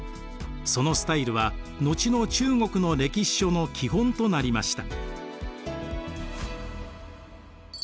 そのスタイルは後の中国の歴史書の基本となりました。